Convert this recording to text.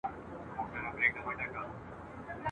زما له مخي دوې مچکي واخلي بیره ځغلي ..